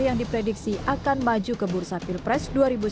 yang diprediksi akan maju ke bursa pilpres dua ribu sembilan belas